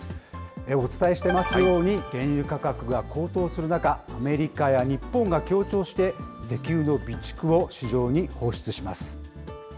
お伝えしていますように、原油価格が高騰する中、アメリカや日本が協調して、石油の備蓄を市場に放出します。